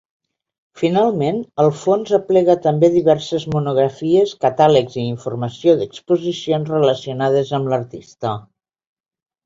Finalment, el fons aplega també diverses monografies, catàlegs i informació d'exposicions relacionades amb l'artista.